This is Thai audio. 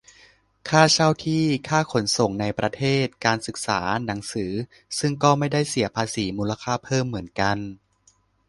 ค่าเช่าที่ ค่าขนส่งในประเทศ การศึกษา หนังสือ ซึ่งก็ไม่ได้เสียภาษีมูลค่าเพิ่มเหมือนกัน